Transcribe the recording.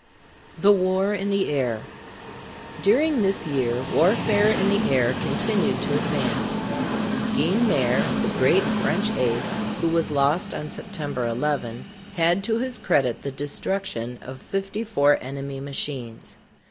THE WAR IN THE AIR. During this year warfare in the air continued to advance. Guynemer (geen mĕr´), the great French ace, who was lost on September 11, had to his credit the destruction of fifty four enemy machines.